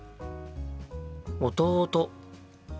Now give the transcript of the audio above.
弟。